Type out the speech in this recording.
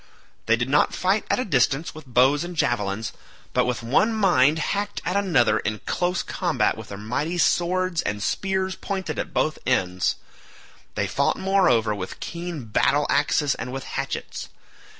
They did not fight at a distance with bows and javelins, but with one mind hacked at one another in close combat with their mighty swords and spears pointed at both ends; they fought moreover with keen battle axes and with hatchets.